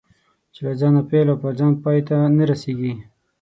چې له ځانه پیل او پر ځان پای ته نه رسېږي.